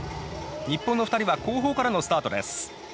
日本の２人は後方からのスタートです。